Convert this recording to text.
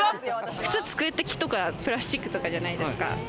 普通、机って木とかプラスチックとかじゃないですか。